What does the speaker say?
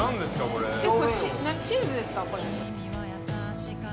これチーズですか？